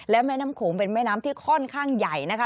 และแม่น้ำโขงเป็นแม่น้ำที่ค่อนข้างใหญ่นะคะ